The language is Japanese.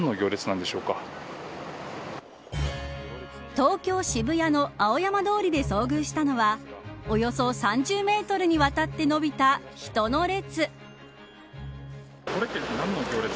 東京、渋谷の青山通りで遭遇したのはおよそ３０メートルにわたって延びた人の列。